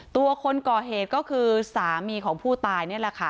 ตัวคนก่อเหตุก็คือสามีของผู้ตายนี่แหละค่ะ